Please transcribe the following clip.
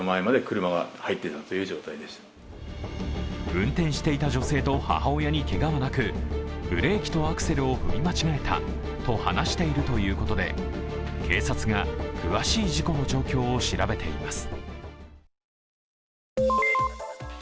運転していた女性と母親にけがはなくブレーキとアクセルを踏み間違えたと話しているということで、警察が詳しい事故の状況を調べています。